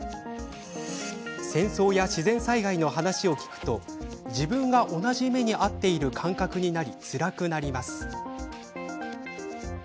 戦争や自然災害の話を聞くと自分が同じ目に遭っている感覚になり、つらくなります。